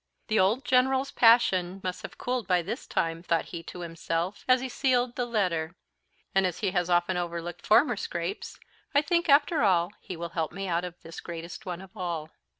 "The old General's passion must have cooled by this time," thought he to himself, as he sealed the letter, "and as he has often overlooked former scrapes, I think, after all, he will help me out of this greatest one of all."